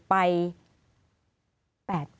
ไปแปดเปื้อน